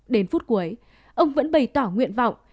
đến phút cuối ông vẫn bày tỏ nguyện vọng